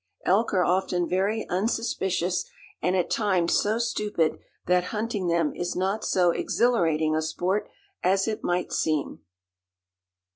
Elk are often very unsuspicious and at times so stupid that hunting them is not so exhilarating a sport as it might seem.